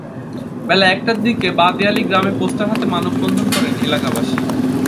বেলা একটার দিকে বাদে আলী গ্রামে পোস্টার হাতে মানববন্ধন করেন এলাকাবাসী।